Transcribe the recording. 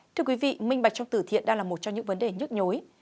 thưa quý vị minh bạch trong tử thiện đang là một trong những vấn đề nhức nhối